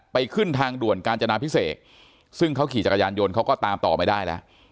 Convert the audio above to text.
ขึ้นทางด่วนกาญจนาพิเศษซึ่งเขาขี่จักรยานยนต์เขาก็ตามต่อไม่ได้แล้ว